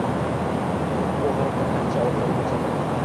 u G‘arbdan ancha orqada bo‘lsa ham